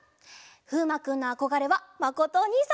ふうまくんのあこがれはまことおにいさんなんだって！